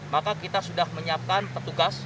maka kita sudah menyiapkan petugas